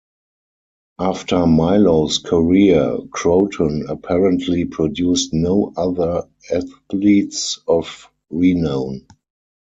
After Milo's career, Croton apparently produced no other athletes of renown.